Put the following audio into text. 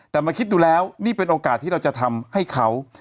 แต่มาคิดดูแล้วนี่เป็นโอกาสที่เราจะทำให้เขา